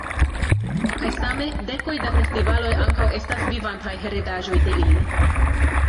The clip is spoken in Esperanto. Kaj same, dekoj da festivaloj ankaŭ estas vivantaj heredaĵoj de ili.